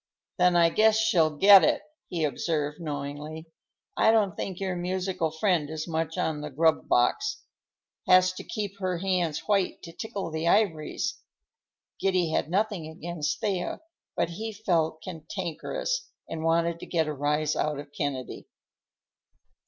"Then I guess she'll get it," he observed knowingly. "I don't think your musical friend is much on the grub box. Has to keep her hands white to tickle the ivories." Giddy had nothing against Thea, but he felt cantankerous and wanted to get a rise out of Kennedy.